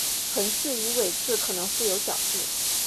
臀刺与尾刺可能覆有角质。